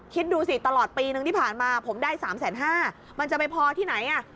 คิดดูสิตลอดปีนึงที่ผ่านมาผมได้๓๕๐๐บาทมันจะไปพอที่ไหนอ่ะ